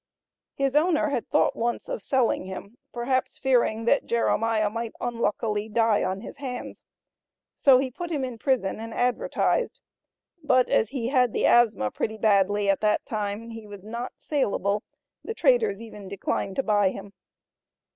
His owner had thought once of selling him, perhaps fearing that Jeremiah might unluckily die on his hands. So he put him in prison and advertised; but as he had the asthma pretty badly at that time, he was not saleable, the traders even declined to buy him.